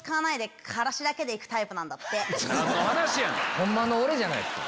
ホンマの俺じゃないっすか。